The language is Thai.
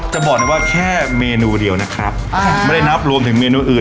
จะบอกเลยว่าแค่เมนูเดียวนะครับไม่ได้นับรวมถึงเมนูอื่น